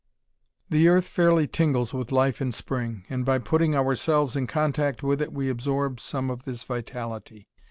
The earth fairly tingles with life in spring, and by putting ourselves in contact with it we absorb some of this vitality.